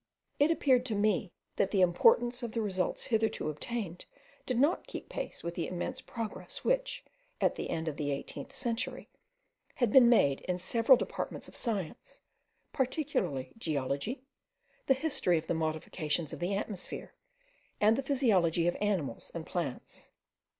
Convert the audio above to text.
It appeared to me, that the importance of the results hitherto obtained did not keep pace with the immense progress which, at the end of the eighteenth century, had been made in several departments of science, particularly geology, the history of the modifications of the atmosphere, and the physiology of animals and plants.